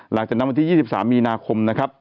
หลายแต่น้ำวันที่๒๓มีนาคมนะครับ